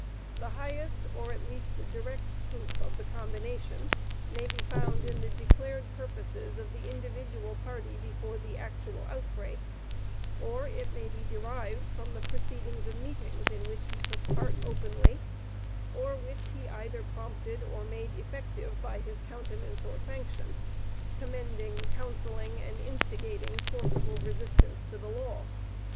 The highest, or at least the direct proof of the combination may be found in the declared purposes of the individual party before the actual outbreak; or it may be derived from the proceedings of meetings, in which he took part openly; or which he either prompted, or made effective by his countenance or sanction, commending, counselling and instigating forcible resistance to the law.